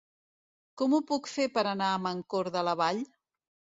Com ho puc fer per anar a Mancor de la Vall?